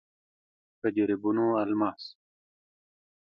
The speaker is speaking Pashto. په جريبونو الماس.